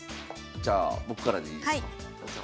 じゃあ僕からでいいですか？